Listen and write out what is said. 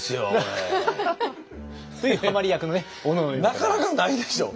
なかなかないでしょ